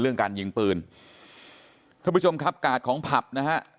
การยิงปืนท่านผู้ชมครับกาดของผับนะฮะ